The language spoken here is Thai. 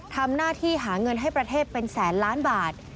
ทำหน้าที่หาเงินให้ประเทศเป็นแสนล้านบาท